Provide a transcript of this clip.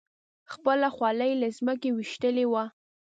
خپله خولۍ یې له ځمکې ویشتلې وه.